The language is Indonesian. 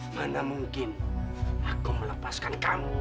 mana mungkin aku melepaskan kamu